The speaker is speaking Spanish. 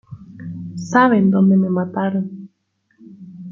Saben dónde me mataron.